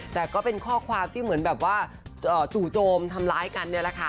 แต่ก็เป็นข้อความที่เหมือนแบบว่าจู่โจมทำร้ายกันเนี่ยแหละค่ะ